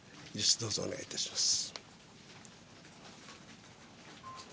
どうぞお願いいたします。